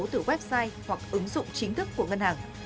từ website hoặc ứng dụng chính thức của ngân hàng